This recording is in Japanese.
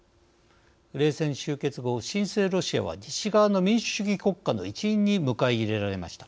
冷戦終結後、新生ロシアは西側の民主主義国家の一員に迎え入れられました。